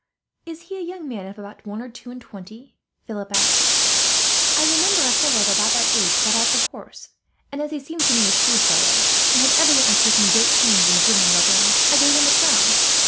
"Is he a young man of about one or two and twenty?" Philip asked. "I remember a fellow of about that age brought out the horse, and as he seemed to me a shrewd fellow, and had evidently taken great pains in grooming Robin, I gave him a crown.